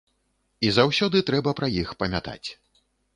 І заўсёды трэба пра іх памятаць.